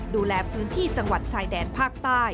ดูแลพื้นที่จังหวัดชายแดนภาคใต้